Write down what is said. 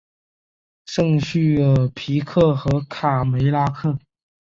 圣叙尔皮克和卡梅拉克。